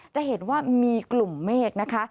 จะเห็นว่ามีกลุ่มเมฆนะคะ